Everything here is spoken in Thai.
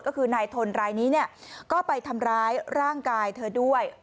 ก็คือนายทนรายนี้เนี่ยก็ไปทำร้ายร่างกายเธอด้วย